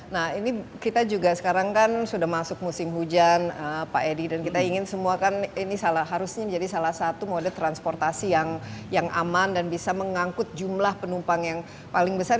nah ini kita juga sekarang kan sudah masuk musim hujan pak edi dan kita ingin semua kan ini harusnya menjadi salah satu mode transportasi yang aman dan bisa mengangkut jumlah penumpang yang paling besar